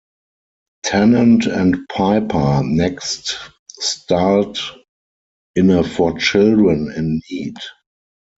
Tennant and Piper next starred in a for Children in Need.